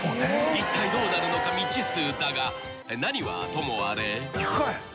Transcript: ［いったいどうなるのか未知数だが何はともあれ］